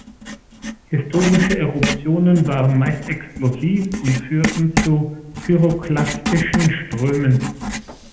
Historische Eruptionen waren meist explosiv und führten zu pyroklastischen Strömen.